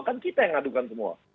kan kita yang adukan semua